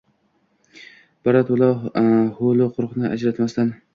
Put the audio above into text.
birato‘la – «ho‘l-u quruqni» ajratmasdan